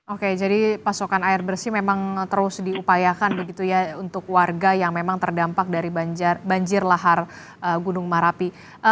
oke jadi pasokan air bersih memang terus diupayakan begitu ya untuk warga yang memang terdampak dari banjir lahar gunung merapi